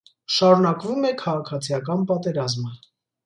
Շարունակվում է քաղաքացիական պատերազմը։